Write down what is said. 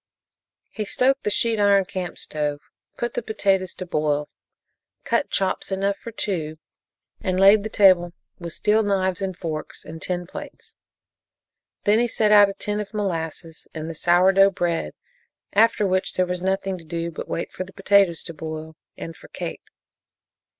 He stoked the sheet iron camp stove, put the potatoes to boil, cut chops enough for two and laid the table with the steel knives and forks and tin plates. Then he set out a tin of molasses and the sour dough bread, after which there was nothing to do but wait for the potatoes to boil, and for Kate.